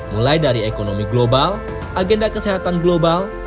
mulai dari ekonomi global agenda kesehatan global